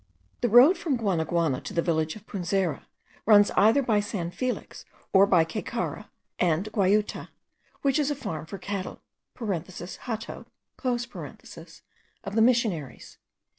The road from Guanaguana to the village of Punzera runs either by San Felix or by Caycara and Guayuta, which is a farm for cattle (hato) of the missionaries.